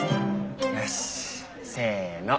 よしせの。